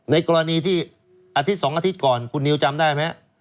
ในกรณีที่อาทิตย์๒อาทิตย์ก่อนคุณนิวจำได้ไหม